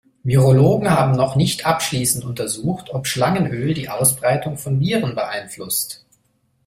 Virologen haben noch nicht abschließend untersucht, ob Schlangenöl die Ausbreitung von Viren beeinflusst.